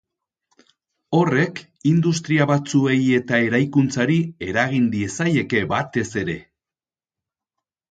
Horrek, industria batzuei eta eraikuntzari eragin diezaieke batez ere.